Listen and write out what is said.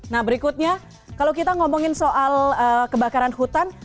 nah berikutnya kalau kita ngomongin soal kebakaran hutan